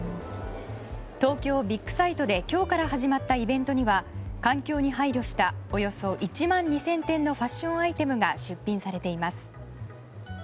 東京ビッグサイトで今日から始まったイベントには環境に配慮したおよそ１万２０００点のファッションアイテムが出品されています。